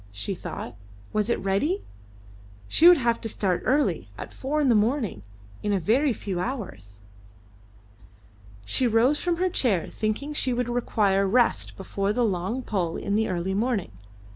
she thought. Was it ready? She would have to start early at four in the morning, in a very few hours. She rose from her chair, thinking she would require rest before the long pull in the early morning.